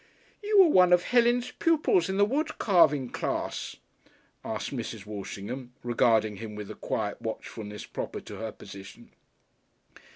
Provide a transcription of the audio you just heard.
"You were one of Helen's pupils in the wood carving class?" asked Mrs. Walshingham, regarding him with the quiet watchfulness proper to her position.